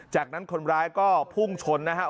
จากนั้นคนร้ายก็พุ่งชนนะครับ